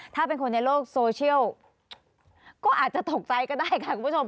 ถ้าเป็นคนในโลกโซเชียลก็อาจจะตกใจก็ได้ค่ะคุณผู้ชม